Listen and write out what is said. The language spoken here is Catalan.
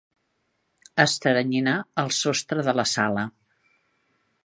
Esteranyinar el sostre de la sala.